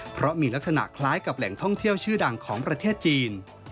เพราะมีลักษณะคล้ายกับแหล่งท่องเที่ยวชื่อดังของประเทศจีน